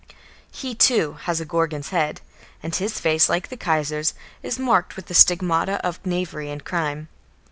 He, too, has a Gorgon's head, and his face, like the Kaiser's, is marked with the stigmata of knavery and crime.